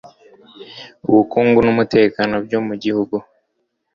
ubukungu n'umutekano byo mu gihugu